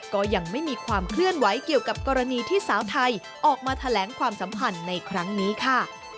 ก็ยังไม่มีความเคลื่อนไหวเกี่ยวกับกรณีที่สาวไทยออกมาแถลงความสัมพันธ์ในครั้งนี้ค่ะ